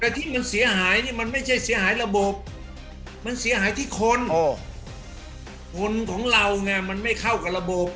แต่ที่มันเสียหายนี่มันไม่ใช่เสียหายระบบมันเสียหายที่คนคนของเราไงมันไม่เข้ากับระบบ